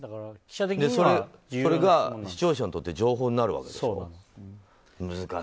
それが視聴者にとって情報になるわけでしょ。